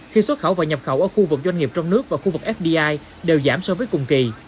khi xuất khẩu và nhập khẩu ở khu vực doanh nghiệp trong nước và khu vực fdi đều giảm so với cùng kỳ